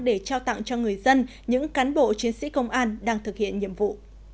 để trao tặng cho người dân những cán bộ chiến sĩ công an đang thực hiện nhiệm vụ